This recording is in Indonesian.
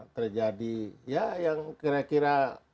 terjadi ya yang kira kira